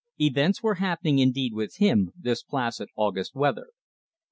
Events were happening indeed with him, this placid August weather.